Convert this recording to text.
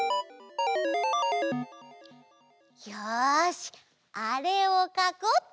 よしあれをかこうっと！